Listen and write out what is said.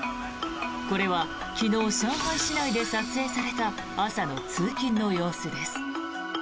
これは昨日上海市内で撮影された朝の通勤の様子です。